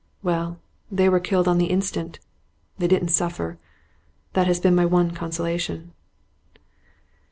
Well, they were killed on the instant; they didn't suffer. That has been my one consolation.